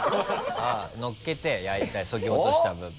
のっけて焼いたそぎ落とした部分。